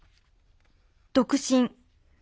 独身。